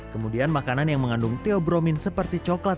kemudian makanan yang mengandung theobromin seperti coklat